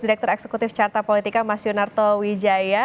direktur eksekutif carta politika mas yunarto wijaya